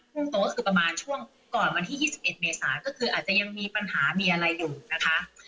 ่งโตก็คือประมาณช่วงก่อนวันที่๒๑เมษาก็คืออาจจะยังมีปัญหามีอะไรอยู่นะคะ